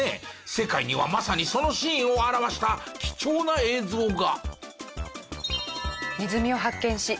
世界にはまさにそのシーンを表した貴重な映像が。